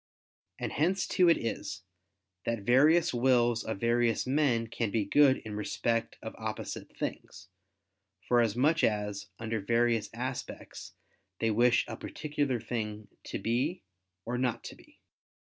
And hence too it is, that various wills of various men can be good in respect of opposite things, for as much as, under various aspects, they wish a particular thing to be or not to be.